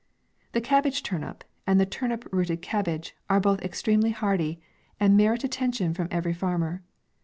The cabbage turnip, and the turnip rooted cabbage, are both extremely hardy, and mer it attention from every farmer.